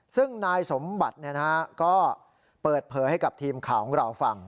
ซึ่งนายสมบัติก็เปิดเผยให้กับทีมข่าวของเราฟัง